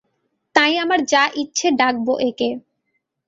তাই আমার যা ইচ্ছে ডাকবো একে।